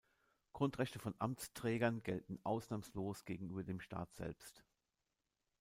Grundrechte von Amtsträgern gelten ausnahmslos gegenüber dem Staat selbst.